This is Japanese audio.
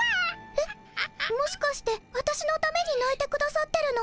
えっもしかしてわたしのためにないてくださってるの？